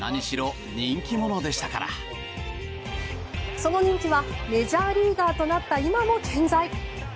その人気はメジャーリーガーとなった今も健在。